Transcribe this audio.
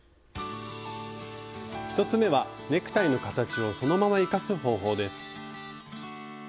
１つ目はネクタイの形をそのまま生かす方法です。